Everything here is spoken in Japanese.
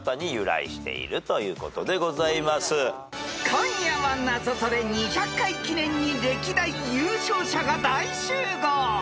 ［『今夜はナゾトレ』２００回記念に歴代優勝者が大集合！］